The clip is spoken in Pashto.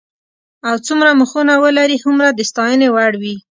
او څومره مخونه ولري هومره د ستاینې وړ وي.